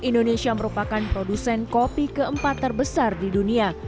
indonesia merupakan produsen kopi keempat terbesar di dunia